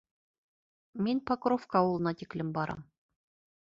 Мин Покровка ауылына тиклем барам.